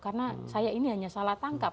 karena saya ini hanya salah tangkap